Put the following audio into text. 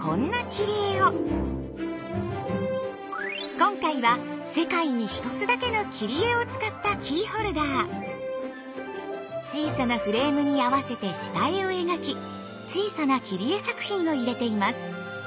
今回は世界に一つだけの切り絵を使った小さなフレームに合わせて下絵を描き小さな切り絵作品を入れています。